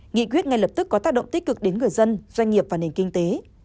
nghị quyết ngay lập tức có tác động tích cực đến người dân doanh nghiệp và nền kinh tế